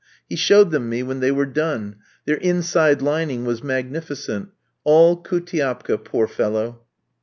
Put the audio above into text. He showed them me when they were done, their inside lining was magnificent; all Koultiapka, poor fellow!